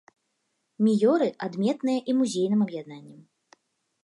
Міёры адметная і музейным аб'яднаннем.